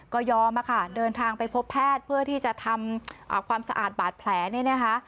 ก็ยอมค่ะเดินทางไปพบแพทย์เพื่อที่จะทำความสะอาดบาดแผลเนี่ยนะคะ